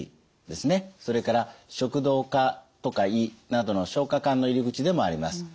それから食道とか胃などの消化管の入り口でもあります。